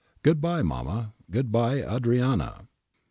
. Good bye, Mama, good bye, Adriana.'